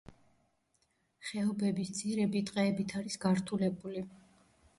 ხეობების ძირები ტყეებით არის გართულებული.